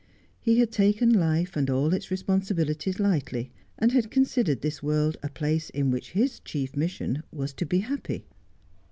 He had taken life and all its responsibilities lightly, and had considered this world a place in which his chief mission was to be happy.